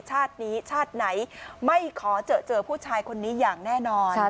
ชาตินี้ชาติไหนไม่ขอเจอผู้ชายคนนี้อย่างแน่นอน